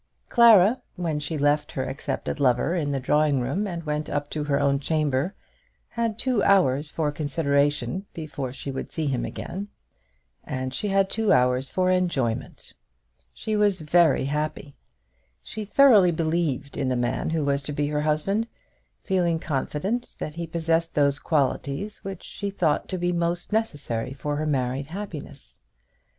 Clara, when she left her accepted lover in the drawing room and went up to her own chamber, had two hours for consideration before she would see him again; and she had two hours for enjoyment. She was very happy. She thoroughly believed in the man who was to be her husband, feeling confident that he possessed those qualities which she thought to be most necessary for her married happiness.